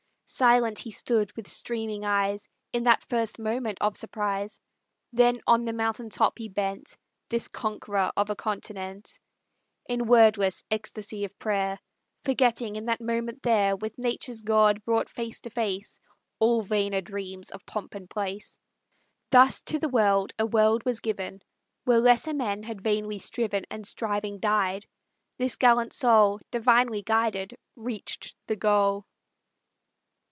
Silent he stood with streaming eyes In that first moment of surprise, Then on the mountain top he bent, This conqueror of a continent, In wordless ecstasy of prayer, Forgetting in that moment there, With Nature's God brought face to face, All vainer dreams of pomp and place. Thus to the world a world was given. Where lesser men had vainly striven, And striving died, this gallant soul, Divinely guided, reached the goal.